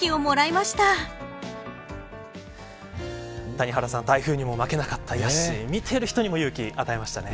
谷原さん、台風にも負けなかったヤッシー見ている人にも勇気与えましたね。